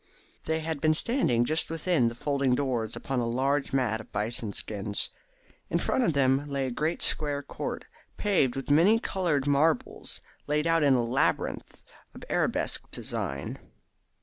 They had been standing just within the folding doors upon a huge mat of bison skins. In front of them lay a great square court, paved with many coloured marbles laid out in a labyrinth of arabesque design.